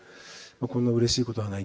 こんなうれしいことはない。